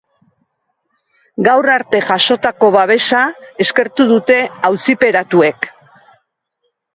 Gaur arte jasotako babesa eskertu dute auziperatuek.